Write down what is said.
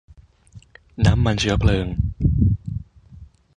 น้ำมันเชื้อเพลิง